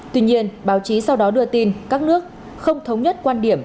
tuy nhiên báo chí sau đó đưa tin các nước không thống nhất quan điểm